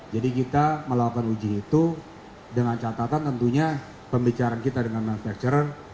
pembelian uji itu dengan catatan tentunya pembicaraan kita dengan manajemen